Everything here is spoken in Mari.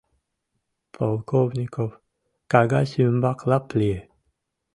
Полковников кагаз ӱмбак лап лие.